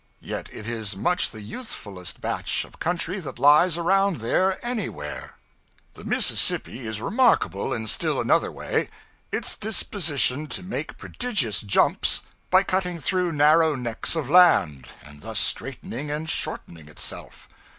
Yet it is much the youthfullest batch of country that lies around there anywhere. The Mississippi is remarkable in still another way its disposition to make prodigious jumps by cutting through narrow necks of land, and thus straightening and shortening itself.